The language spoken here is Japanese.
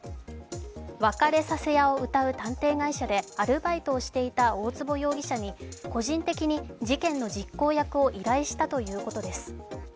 別れさせ屋をうたう探偵会社でアルバイトをしていた大坪容疑者に個人的に事件の実行役を依頼したということです。